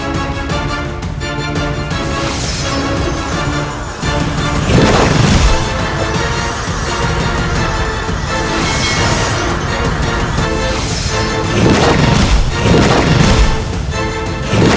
ini bakal ditadikan